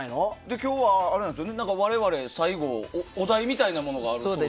今日は我々、最後お題みたいなものがあるそうで。